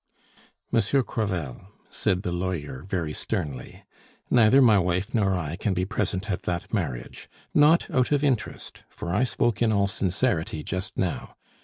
"Monsieur Crevel," said the lawyer very sternly, "neither my wife nor I can be present at that marriage; not out of interest, for I spoke in all sincerity just now.